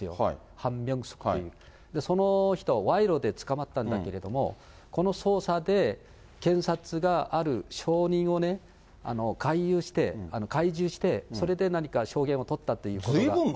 ハン・ミョンスクというその人、賄賂で捕まったんだけれども、この捜査で検察がある証人を懐柔して、それで何か証言を取ったということが。